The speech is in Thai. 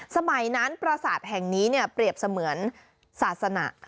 สมัยนั้นประสาทแห่งนี้เปรียบเสมือนศาสนา